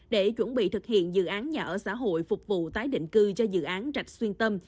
để chuẩn bị thực hiện dự án nhà ở xã hội phục vụ tái định cư cho dự án rạch xuyên tâm